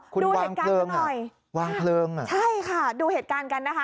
คุณวางเคลิงเหมือนกันหน่อยค่ะใช่ค่ะดูเหตุการณ์กันนะคะ